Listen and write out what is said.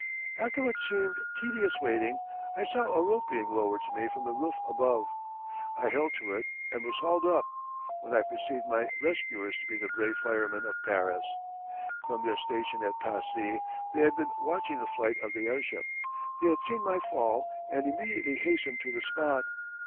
After what seemed tedious waiting, I saw a rope being lowered to me from the roof above. I held to it and was hauled up, when I perceived my rescuers to be the brave firemen of Paris. From their station at Passy they had been watching the flight of the airship. They had seen my fall and immediately hastened to the spot.